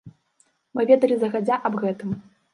Мы ведалі загадзя аб гэтым.